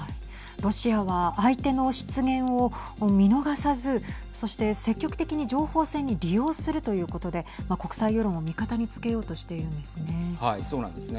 ロシアは相手の失言を見逃さずそして積極的に情報戦に利用するということで国際世論を味方につけようとしているんですね。